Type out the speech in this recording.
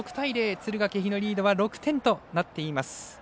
敦賀気比のリードは６点となっています。